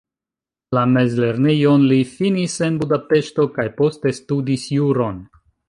La mezlernejon li finis en Budapeŝto kaj poste studis juron.